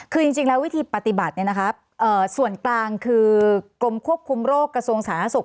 คือจริงแล้ววิธีปฏิบัติส่วนกลางคือกรมควบคุมโรคกระทรวงสาธารณสุข